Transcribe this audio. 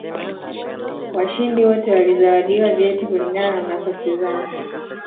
washindi wote walizawadiwa vyeti kulingana na nafasi zao